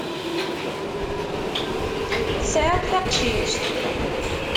Tesεiḍ taqcict?